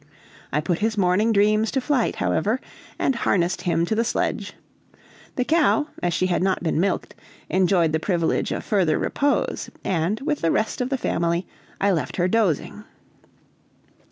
I put his morning dreams to flight, however, and harnessed him to the sledge; the cow, as she had not been milked, enjoyed the privilege of further repose, and, with the rest of the family, I left her dozing.